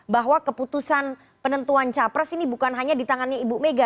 bahwa keputusan penentuan capres ini bukan hanya di tangannya ibu mega